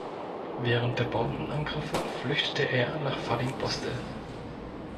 Während der Bombenangriffe flüchtete er nach Fallingbostel.